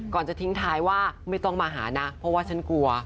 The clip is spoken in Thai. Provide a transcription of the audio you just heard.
จะทิ้งท้ายว่าไม่ต้องมาหานะเพราะว่าฉันกลัว